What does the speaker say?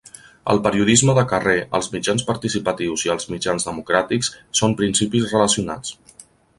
El periodisme de carrer, els mitjans participatius i els mitjans democràtics són principis relacionats.